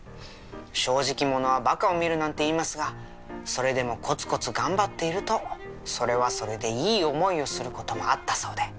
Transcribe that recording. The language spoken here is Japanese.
「正直者は馬鹿を見る」なんて言いますがそれでもコツコツ頑張っているとそれはそれでいい思いをする事もあったそうで。